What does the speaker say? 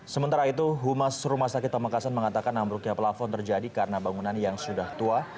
sementara itu rumah sakit pamekasan mengatakan ambruknya pelafon terjadi karena bangunan yang sudah tua